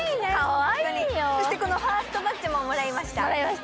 そして、このファーストバッジももらいました。